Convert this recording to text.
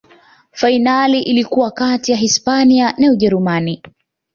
fainali ilikuwa kati ya hispania na ujerumani